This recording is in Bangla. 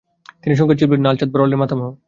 তিনি সঙ্গীতশিল্পী লালচাঁদ বড়ালের মাতামহ।